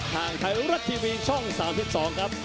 ทางไทยรัฐทีวีช่อง๓๒ครับ